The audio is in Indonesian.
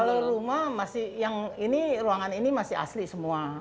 kalau rumah masih yang ini ruangan ini masih asli semua